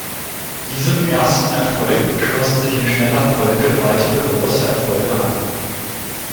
Diesem ersten Erfolg schlossen sich in schneller Folge weitere große Erfolge an.